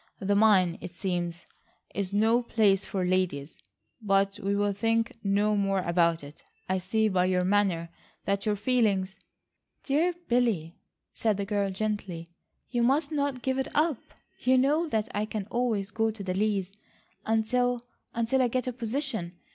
The mine, it seems, is no place for ladies. But we will think no more about it. I see by your manner that your feelings..." "Dear Billy," said the girl gently, "you must not give it up. You know that I can always go to the Lees, until—until I get a position.